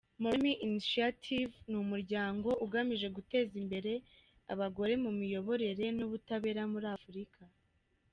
Moremi Initiative ni umuryango ugamije guteza imbere abagore mu miyoborere n’ubutabera muri Afurika.